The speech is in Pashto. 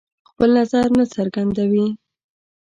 خپل نظر نه څرګندوي.